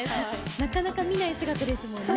なかなか見ない姿ですもんね。